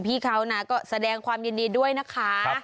พี่เขาก็แสดงความยินดีด้วยนะคะ